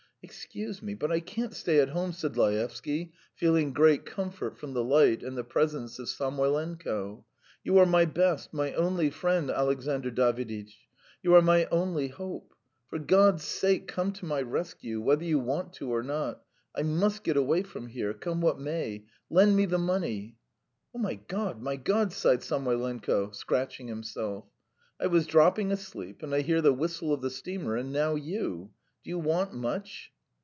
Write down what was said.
"Excuse me, but I can't stay at home," said Laevsky, feeling great comfort from the light and the presence of Samoylenko. "You are my best, my only friend, Alexandr Daviditch. ... You are my only hope. For God's sake, come to my rescue, whether you want to or not. I must get away from here, come what may! ... Lend me the money!" "Oh, my God, my God! ..." sighed Samoylenko, scratching himself. "I was dropping asleep and I hear the whistle of the steamer, and now you ... Do you want much?"